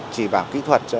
chỉ bảo kỹ thuật cho